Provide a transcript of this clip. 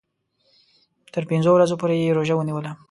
تر پنځو ورځو پوري یې روژه ونیوله.